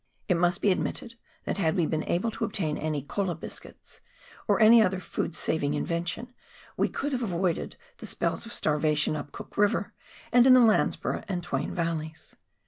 It must be admitted that had we been able to obtain any Kola biscuits, or any other food saving in vention, we could have avoided the spells of starvation up Cook River and in the Landsborough and Twain valleys.